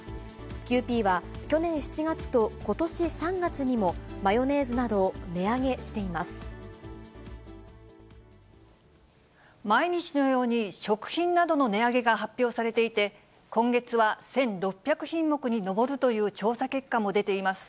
キユーピーは、去年７月とことし３月にも、マヨネーズなどを値上毎日のように食品などの値上げが発表されていて、今月は１６００品目に上るという調査結果も出ています。